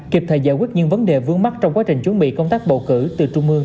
kịp thời giải quyết những vấn đề vướng mắt trong quá trình chuẩn bị công tác bầu cử từ trung ương